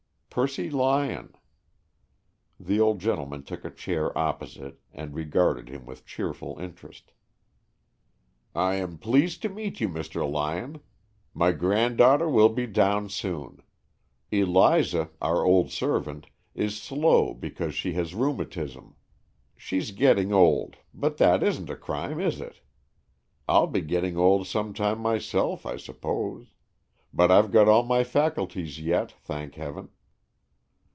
"Percy Lyon." The old gentleman took a chair opposite and regarded him with cheerful interest. "I am pleased to meet you, Mr. Lyon. My granddaughter will be down soon. Eliza, our old servant, is slow because she has rheumatism. She's getting old, but that isn't a crime, is it? I'll be getting old some time myself, I suppose. But I've got all my faculties yet, thank Heaven."